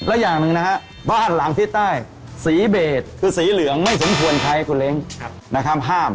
และอย่างหนึ่งนะฮะบ้านหลังทิศใต้สีเบสคือสีเหลืองไม่สมควรใช้คุณเล้งนะครับ